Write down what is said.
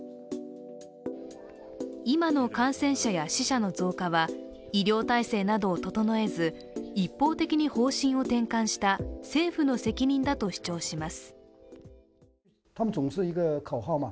今の感染者や死者の増加は医療体制などを整えず一方的に方針を転換した政府の責任だと主張します。